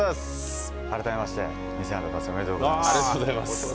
改めまして、２０００安打達成、おめでとうございます。